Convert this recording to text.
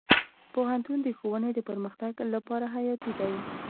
پوهنتون د ښوونې د پرمختګ لپاره حیاتي دی.